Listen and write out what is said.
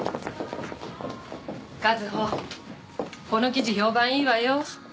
この記事評判いいわよ。